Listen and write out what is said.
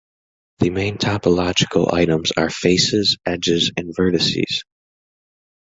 The main topological items are: "faces", "edges" and "vertices".